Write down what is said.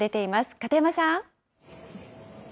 片山さん。